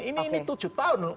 ini tujuh tahun lho